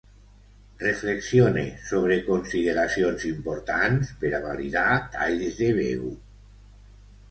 Reflexione sobre consideracions importants per a validar talls de veu.